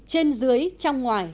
trên dưới trong ngoài